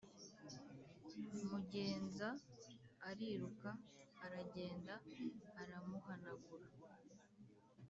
mugenza ariruka aragenda aramuhanagura